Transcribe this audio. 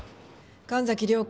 神崎涼子